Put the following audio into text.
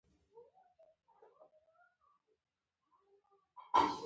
د ګلاب ګل د څه لپاره وکاروم؟